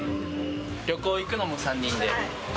旅行行くのも３人で。